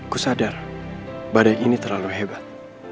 gue sadar badan ini terlalu hebat